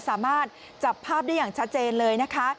สามารถจับภาพได้อย่างชัดเจนเลยนะคะ